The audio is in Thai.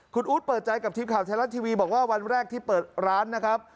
คุณอู๊ดเปิดใจกับทีมข่าวไทยรัฐทีวีบอกว่าวันแรกที่เปิดร้านนะครับ